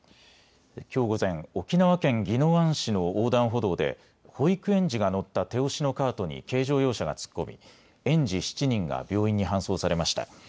きょう午前、沖縄県宜野湾市の横断歩道で保育園児が乗った手押しのカートに軽乗用車が突っ込み園児７人が病院に搬送されました。